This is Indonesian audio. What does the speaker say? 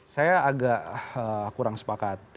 saya agak kurang sepakat